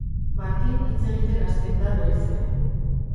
Martin hitz egiten hasten da berriz ere.